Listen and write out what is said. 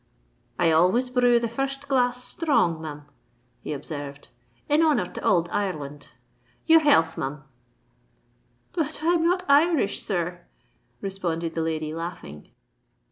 "I always brew the first glass sthrong Mim," he observed, "in honour to ould Ireland. Your health, Mim." "But I'm not Irish, sir," responded the lady, laughing.